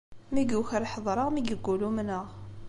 Mi yuker ḥedṛeɣ, mi yeggul umneɣ.